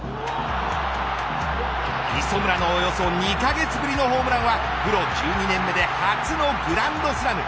磯村のおよそ２カ月ぶりのホームランはプロ１２年目で初のグランドスラム。